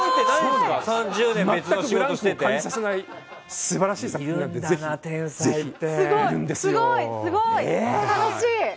全くブランクを感じさせない素晴らしい作品なので、ぜひ。いるんだな、天才って。